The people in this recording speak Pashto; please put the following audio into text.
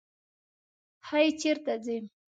هی! چېرې ځې؟